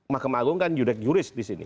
mahkamah agung kan yudek yuris di sini